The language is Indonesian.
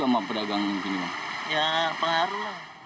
ya pengaruh lah